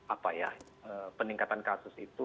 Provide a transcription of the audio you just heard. apa ya peningkatan kasus itu